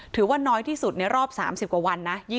ถือว่าน้อยที่สุดในรอบ๓๐กว่าวันนะ